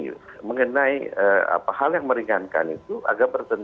nah mengenai hal yang meringankan itu agak bersebut